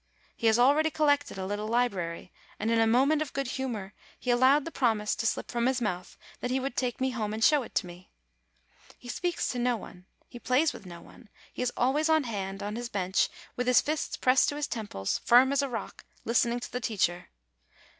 He has al ready .collected a little library, and in a moment of good humor he allowed the promise to slip from his mouth that he would take me home and show it to me. He speaks to no one, he plays with no one, he is al ways on hand, on his bench, with his fists pressed to his temples, firm as a rock, listening to the teacher.